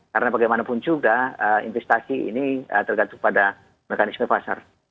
karena bagaimanapun juga investasi ini tergantung pada mekanisme pasar